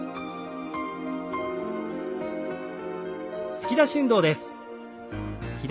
突き出し運動です。